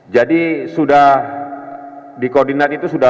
sudah di koordinat itu sudah